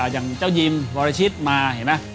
อย่างเจ้ายิมวรชิตมาเห็นไหม